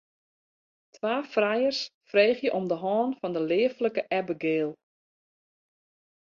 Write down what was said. Twa frijers freegje om de hân fan de leaflike Abigail.